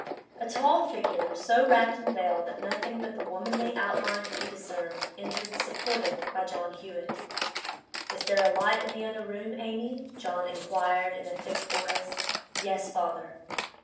A tall figure, so wrapped and veiled that nothing but the womanly outline could be discerned, entered, supported by John Hewett. 'Is there a light in the other room, Amy?' John inquired in a thick voice. 'Yes, father.